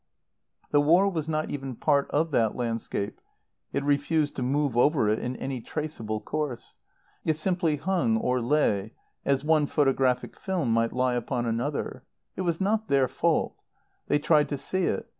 The war was not even part of that landscape; it refused to move over it in any traceable course. It simply hung, or lay as one photographic film might lie upon another. It was not their fault. They tried to see it.